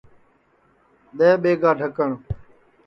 دؔے ٻیگا ڈھکٹؔ